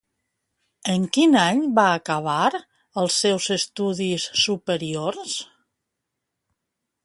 En quin any va acabar els seus estudis superiors?